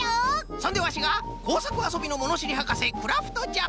そんでワシがこうさくあそびのものしりはかせクラフトじゃ！